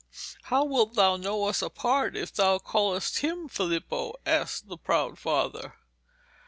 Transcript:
'How wilt thou know us apart if thou callest him Filippo?' asked the proud father.